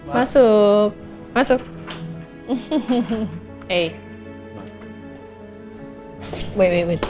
masuk masuk eh